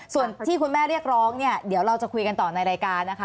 ส่วนที่คุณแม่เรียกร้องเนี่ยเดี๋ยวเราจะคุยกันต่อในรายการนะคะ